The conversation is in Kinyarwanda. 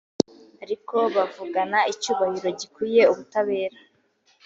ariko bavugana icyubahiro gikwiye ubutabera